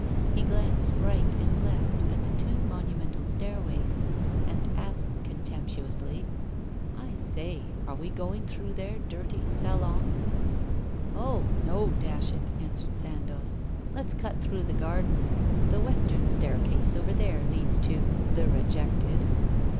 He glanced right and left at the two monumental stairways, and asked contemptuously: 'I say, are we going through their dirty Salon?' 'Oh! no, dash it!' answered Sandoz. 'Let's cut through the garden. The western staircase over there leads to "the Rejected."